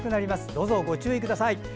どうぞご注意ください。